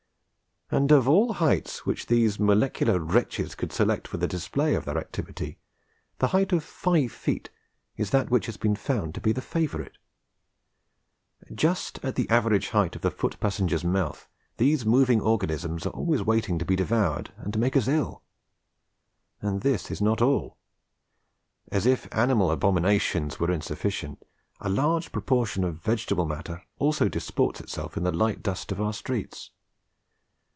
And of all heights which these molecular wretches could select for the display of their activity, the height of five feet is that which has been found to be the favourite. Just at the average height of the foot passenger's mouth these moving organisms are always waiting to be devoured and to make us ill. And this is not all. As if animal abominations were insufficient, a large proportion of vegetable matter also disports itself in the light dust of our streets.